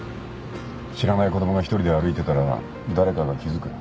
知らない子供が１人で歩いていたら誰かが気づく。